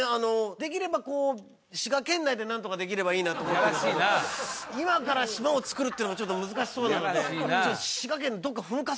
できればこう滋賀県内でなんとかできればいいなと思ってるんですけど今から島をつくるっていうのはちょっと難しそうなのでやめなさい！